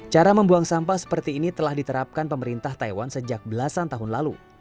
cara membuang sampah seperti ini telah diterapkan pemerintah taiwan sejak belasan tahun lalu